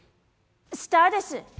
スターです。